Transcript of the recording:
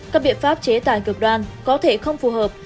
các biện pháp chế tài cực đoan có thể không phù hợp